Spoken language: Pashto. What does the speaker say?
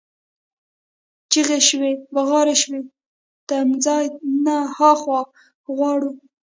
چیغي شوې، بغارې شوې: تمځي نه ها خوا غواړو،